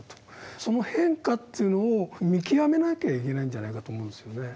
その変化っていうのを見極めなきゃいけないんじゃないかと思うんですよね。